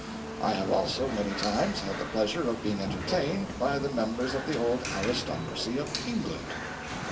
I have also many times had the pleasure of being entertained by the members of the old aristocracy of England.